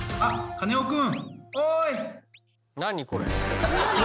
カネオくん！